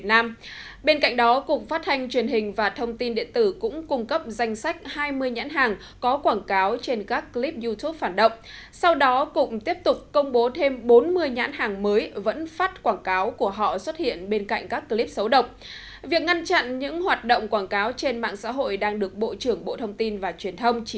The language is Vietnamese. theo yêu cầu của cục phát thanh truyền hình và thông tin điện tử nhưng do cơ chế quản lý nội dung trên youtube còn rất nhiều bất cập nên việc ngăn chặn gỡ bể